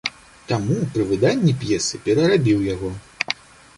Таму пры выданні п'есы перарабіў яго.